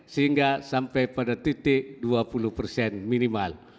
sehingga sampai pada titik dua puluh persen minimal